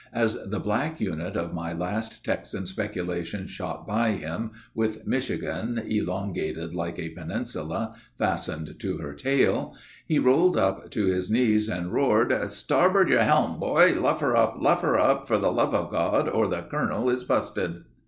As the black unit of my last Texan speculation shot by him, with Michigan, elongated like a peninsula, fastened to her tail, he rolled up to his knees and roared: "'Starboard your helm, boy! _Luff her up! Luff her up, for the love of God, or the colonel is busted!